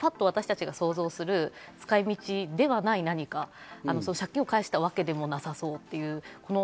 何かを使ったとか、パッと私たちが想像する使い道ではない何か、借金を返したわけでもなさそうという。